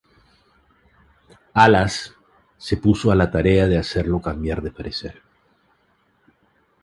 Halas se puso a la tarea de hacerlo cambiar de parecer.